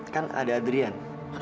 kan ada adrian